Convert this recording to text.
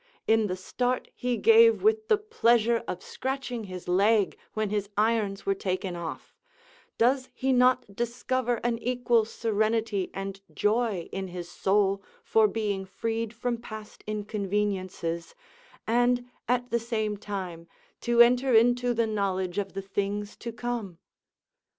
In the start he gave with the pleasure of scratching his leg when his irons were taken off, does he not discover an equal serenity and joy in his soul for being freed from past inconveniences, and at the same time to enter into the knowledge of the things to come?